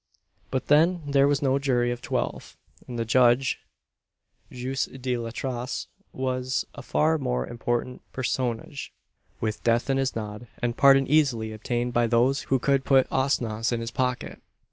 But then there was no jury of twelve, and the judge Juez de Letras was a far more important personage, with death in his nod, and pardon easily obtained by those who could put onzas in his pocket.